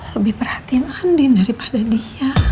lebih perhatiin andin daripada dia